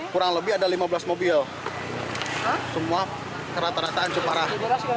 kurang lebih ada lima belas mobil semua rata rata ancur parah